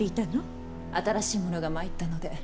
新しい者が参ったので。